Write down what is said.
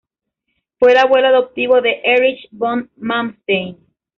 Fue el abuelo adoptivo de Erich von Manstein.